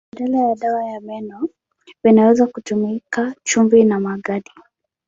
Badala ya dawa ya meno vinaweza kutumika chumvi na magadi.